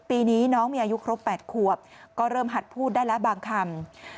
ปีนี้น้องมีอายุครบ๘ขวบก็เริ่มหัดพูดได้แล้วบางคำ